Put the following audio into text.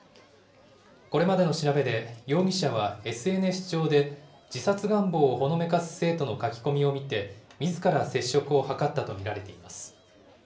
これまでの調べで、容疑者はＳＮＳ上で自殺願望をほのめかす生徒の書き込みを見て、みずから接触を図ったと見られています。